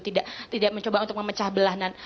tidak mencoba untuk memecah belahan